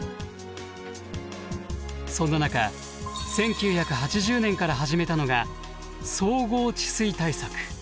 そんな中１９８０年から始めたのが総合治水対策。